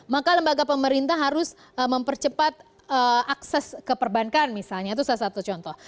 maka lembaga pemerintah harus mempercepat akses ke perbankan misalnya itu salah satu contoh